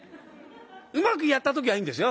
うまくやった時はいいんですよ。